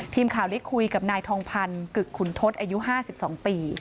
ทีมข่าวได้คุยกับนายทองพันธ์กึกขุนทศอายุ๕๒ปี